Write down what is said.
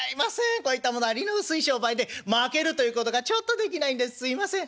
こういったものは利の薄い商売でまけるということがちょっとできないんですすいません」。